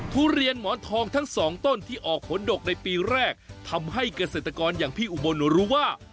ทุเรียนหมอนทองทั้งสองต้นที่ออกผลดกในปีแรกทำให้เกษตรกรอย่างพี่อุบลรู้ว่า